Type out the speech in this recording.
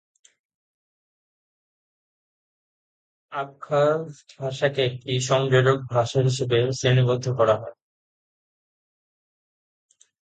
Abkhaz ভাষাকে একটি সংযোজক ভাষা হিসেবে শ্রেণীবদ্ধ করা হয়।